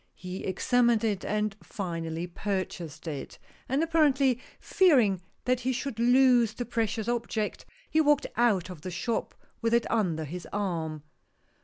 He examined it and finally purchased it, and apparently fearing that he should lose the precious object, he walked out of the shop with it under his arm.